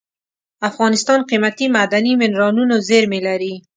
افغانستان قیمتي معدني منرالونو زیرمې لري.